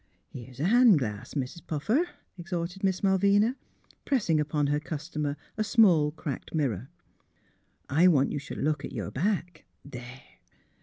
'' Here's a han' glass. Mis' Puffer," exhorted Miss Malvina, pressing upon her customer a small cracked mirror. " I want you should look at your back. There!